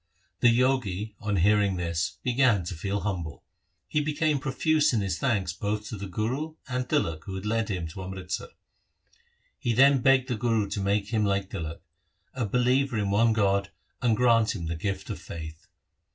3 The Jogi on hearing this began to feel humble. He became profuse in his thanks both to the Guru and Tilak who had led him to Amritsar. He then begged the Guru to make him like Tilak, a believer in one God, and grant him the gift of faith.